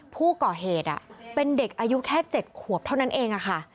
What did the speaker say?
ผู้ก่อเหตุเป็นเด็กอายุแค่๗ขวบเท่านั้นเองค่ะ